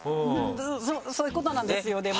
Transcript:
そういうことなんですよでも。